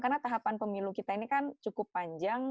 karena tahapan pemilu kita ini kan cukup mudah